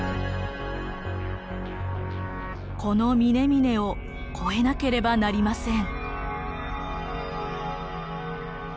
この峰々を越えなければなりません。